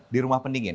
di rumah pendingin